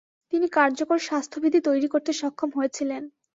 তিনি কার্যকর স্বাস্থ্যবিধি তৈরি করতে সক্ষম হয়েছিলেন।